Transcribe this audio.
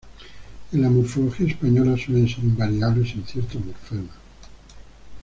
En la morfología española suelen ser invariables en ciertos morfemas.